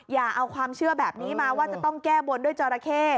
อย่าเอาความเชื่อแบบนี้มาว่าจะต้องแก้บนด้วยจราเข้